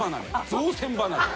造船離れ。